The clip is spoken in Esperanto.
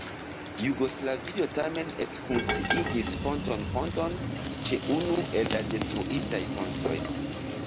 Jugoslavio tamen ekfunkciigis pontonponton ĉe unu el la detruitaj pontoj.